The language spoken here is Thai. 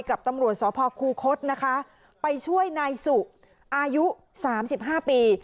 กับตำรวจสพคูคศนะคะไปช่วยนายสุอายุสามสิบห้าปี